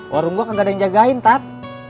warung gue akan gak ada yang jagain tat